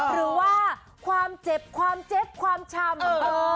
หรือว่าความเจ็บความเจ็บความชำ